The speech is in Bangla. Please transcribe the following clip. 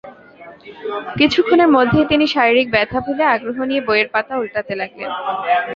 কিছুক্ষণের মধ্যেই তিনি শারীরিক ব্যথা ভুলে আগ্রহ নিয়ে বইয়ের পাতা ওল্টাতে লাগলেন।